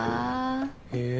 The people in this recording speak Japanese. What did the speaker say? へえ。